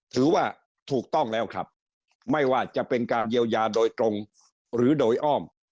ถือว่าถูกต้องแล้วครับไม่ว่าจะเป็นการเยียวยาโดยตรงหรือโดยอ้อม